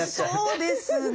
そうですね